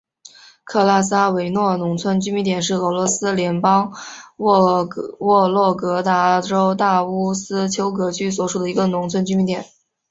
克拉萨维诺农村居民点是俄罗斯联邦沃洛格达州大乌斯秋格区所属的一个农村居民点。